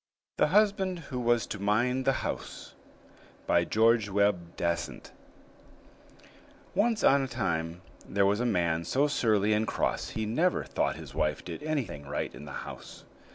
THE HUSBAND WHO WAS TO MIND THE HOUSE BY GEORGE WEBBE DASENT Once on a time there was a man so surly and cross he never thought his wife did anything right in the house.